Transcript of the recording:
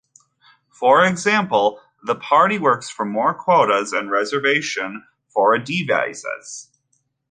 For example the party works for more quotas and reservations for Adivasis.